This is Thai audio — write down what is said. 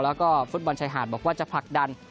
แล้วก็ฟุตบอลชายหาดบอกว่าจะผลักดัน